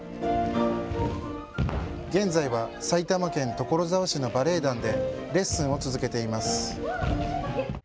現在は埼玉県所沢市のバレエ団でレッスンを続けています。